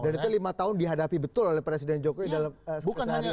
dan itu lima tahun dihadapi betul oleh presiden jokowi dalam sepesarian